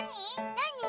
なに？